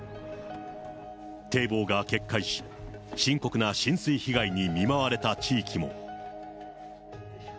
堤防が決壊し、深刻な浸水被害に見舞われた地域も。